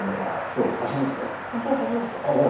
今日初めてです。